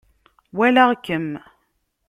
Walaɣ-kem.